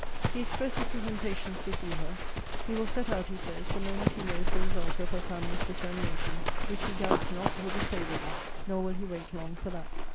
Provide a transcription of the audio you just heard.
'He expresses his impatience to see her. He will set out, he says, the moment he knows the result of her family's determination; which, he doubts not, will be favourable. Nor will he wait long for that.'